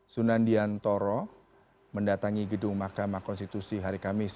sunandian toro mendatangi gedung mahkamah konstitusi hari kamis